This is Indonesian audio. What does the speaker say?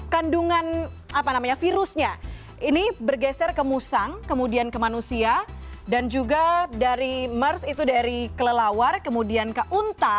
kandungan virusnya ini bergeser ke musang kemudian ke manusia dan juga dari mers itu dari kelelawar kemudian ke unta